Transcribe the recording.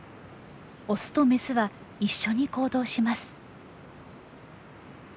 オスとメスは一緒に行動します。